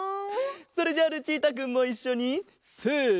それじゃあルチータくんもいっしょにせの。